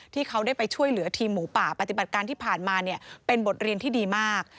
ที่เขาได้ไปช่วยเหลือทีมหมูป่าปฏิบัติการที่ผ่านมาเนี่ยเป็นบทเรียนที่ดีมาก